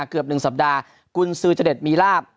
เกือบ๑สัปดาห์กุญสือจเด็ดมีลาบ